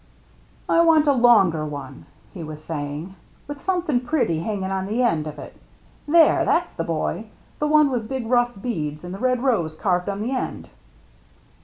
" I want a longer one," he was saying, "with something pretty hanging on the end of it — there, that's the boy — the one with big rough beads and the red rose carved on the end."